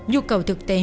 nhu cầu thực tế